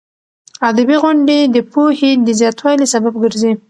ادبي غونډې د پوهې د زیاتوالي سبب ګرځي.